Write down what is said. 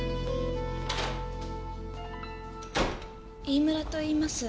飯村といいます。